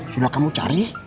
sudah kamu cari